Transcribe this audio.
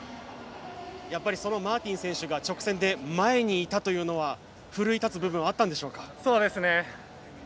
そのマーティン選手が直線で前にいたというのは奮い立つ部分あったんでしょうか？